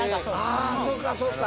ああそうかそうか！